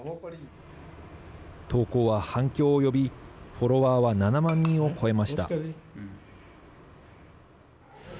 投稿は反響を呼びフォロワーは７万人を超えました。